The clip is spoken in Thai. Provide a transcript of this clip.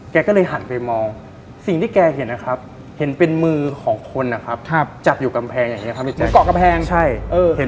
แกก็เลยหันไปมองสิ่งที่แกเห็นนะครับเห็นเป็นมือของคนนะครับจับอยู่กำแพงอย่างนี้ครับ